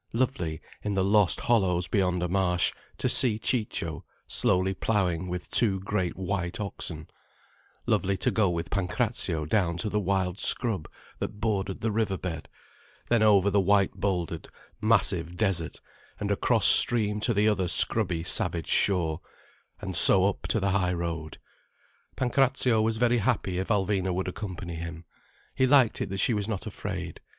Lovely, in the lost hollows beyond a marsh, to see Ciccio slowly ploughing with two great white oxen: lovely to go with Pancrazio down to the wild scrub that bordered the river bed, then over the white bouldered, massive desert and across stream to the other scrubby savage shore, and so up to the high road. Pancrazio was very happy if Alvina would accompany him. He liked it that she was not afraid.